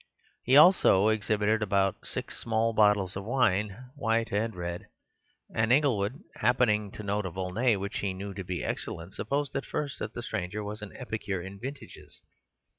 He also exhibited about six small bottles of wine, white and red, and Inglewood, happening to note a Volnay which he knew to be excellent, supposed at first that the stranger was an epicure in vintages.